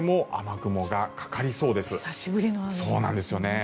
久しぶりの雨ですね。